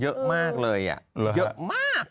เยอะมากเลยเยอะมาก